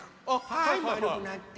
はいまるくなって。